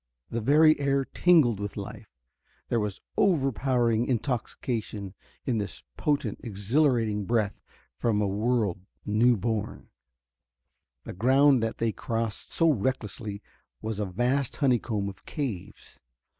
The very air tingled with life; there was overpowering intoxication in this potent, exhilarating breath from a world new born. The ground that they crossed so recklessly was a vast honeycomb of caves.